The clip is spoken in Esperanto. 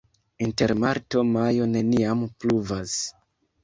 Inter marto-majo neniam pluvas.